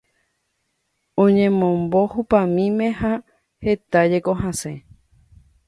Oñemombo hupamíme ha hetájeko hasẽ.